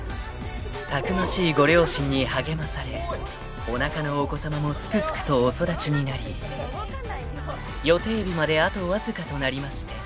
［たくましいご両親に励まされおなかのお子さまもすくすくとお育ちになり予定日まであとわずかとなりまして］